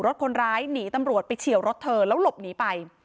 คนร้ายหนีตำรวจไปเฉียวรถเธอแล้วหลบหนีไป